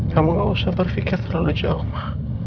kamu gak usah berpikir terlalu jauh